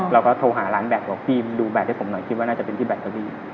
เราก็โทรหาร้านแบตบอกพี่ดูแบตให้ผมหน่อยคิดว่าน่าจะเป็นที่แบตเก้าอี้